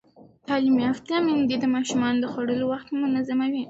تعلیم یافته میندې د ماشومانو د خوړو وخت منظموي.